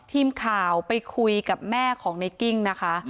ทีมข่าวไปคุยกับแม่ของในกิ้งนะคะ